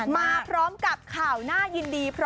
มาพร้อมกับข่าวน่ายินดี